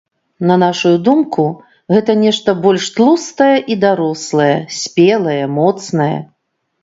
На нашую думку, гэта нешта больш тлустае і дарослае, спелае, моцнае.